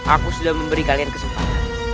aku sudah memberi kalian kesempatan